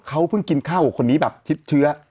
เขาเพิ่งกินข้าวคนนี้แบบเชื้อ